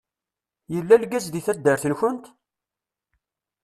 Yella lgaz deg taddart-nkent?